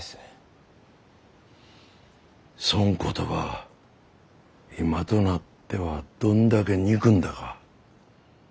そん言葉今となってはどんだけ憎んだか。